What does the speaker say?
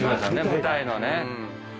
舞台のね。